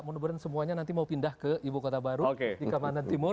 maksudnya semuanya nanti mau pindah ke ibu kota baru di kampung andang timur